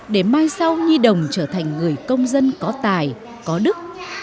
để mai sau nhi đồng trở thành người công dân có tài có đức